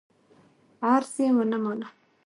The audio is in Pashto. عرض یې ونه مانه.